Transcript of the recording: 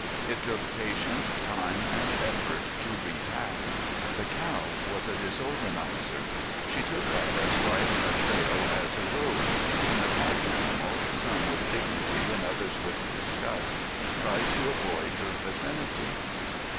It took patience, time, and effort to repack. The cow was a disorganizer. She took up as wide a trail as a road. And the pack animals, some with dignity and others with disgust, tried to avoid her vicinity.